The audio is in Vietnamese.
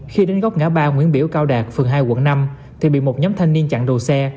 khi đến góc ngã ba nguyễn biểu cao đạt phường hai quận năm thì bị một nhóm thanh niên chặn đầu xe